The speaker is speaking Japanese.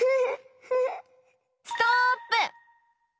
ストップ！